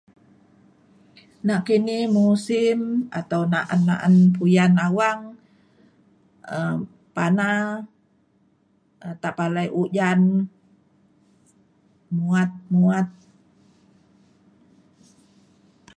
Na' kini musim atau na'an na'an puyan awang um pana, um ta palai ujan muat muat